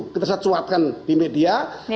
kita sesuatkan di media